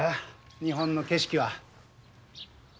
日本の景色は。